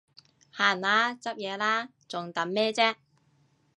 行啦，執嘢喇，仲等咩啫？